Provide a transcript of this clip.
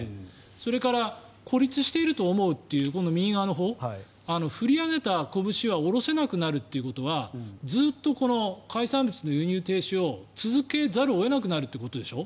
それから孤立していると思うという、この右側のほう振り上げたこぶしは下ろせなくなるということはずっと海産物の輸入停止を続けざるを得なくなるということでしょ。